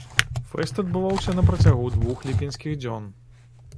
Фэст адбываўся на працягу двух ліпеньскіх дзён.